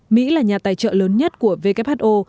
mỹ là nhà tài trợ lớn nhất của who